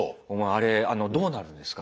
「あれどうなるんですか？」